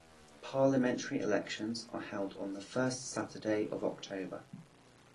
The parliamentary elections are held on the first Saturday of October.